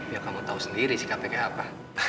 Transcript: ya kamu tahu sendiri sikapnya kayak apa